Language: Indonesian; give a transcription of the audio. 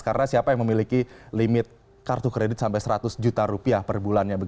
karena siapa yang memiliki limit kartu kredit sampai seratus juta rupiah per bulannya